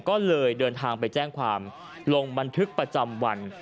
ก็เลยเดินทางไปแจ้งความลงบันทึกประจำวัน